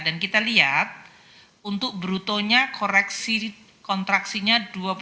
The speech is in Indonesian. dan kita lihat untuk brutonya koreksi kontraksinya dua puluh satu lima